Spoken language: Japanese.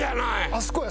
あそこや！